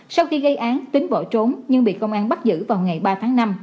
sau khi gây án tính bỏ trốn nhưng bị công an bắt giữ vào ngày ba tháng năm